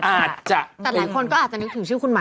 อาจจะอาจจะ